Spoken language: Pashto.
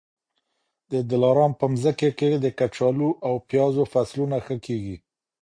د دلارام په مځکي کي د کچالو او پیازو فصلونه ښه کېږي.